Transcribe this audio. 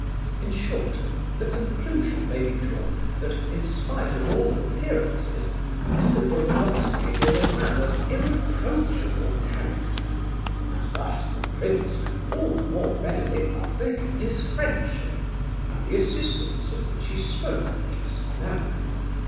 In short, the conclusion may be drawn that, in spite of all appearances, Mr. Burdovsky is a man of irreproachable character, and thus the prince can all the more readily offer him his friendship, and the assistance of which he spoke just now..."